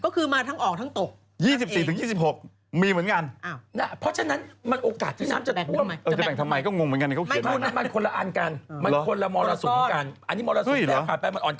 ก็คือมาทั้งออกทั้งตก